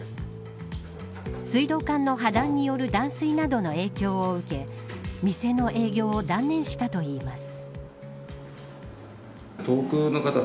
水道管の破断による断水などの影響を受け店の営業を断念したといいます。